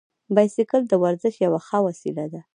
بایسکل د ورزش یوه ښه وسیله ده.